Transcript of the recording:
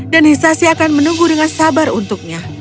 dan hisashi akan menunggu dengan sabar untuknya